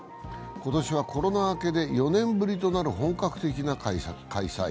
今年はコロナ明けで４年ぶりとなる本格的な開催。